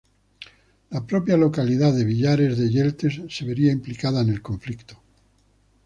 La propia localidad de Villares de Yeltes, se vería implicada en el conflicto.